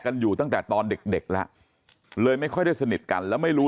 อยู่ตั้งแต่ตอนเด็กแล้วเลยไม่ค่อยได้สนิทกันแล้วไม่รู้